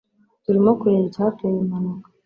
Turimo kureba icyateye impanuka.